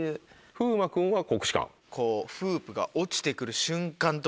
風磨君は国士舘。